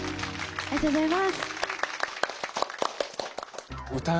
ありがとうございます！